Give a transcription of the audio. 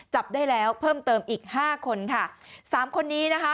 จับได้แล้วเพิ่มเติมอีกห้าคนค่ะสามคนนี้นะคะ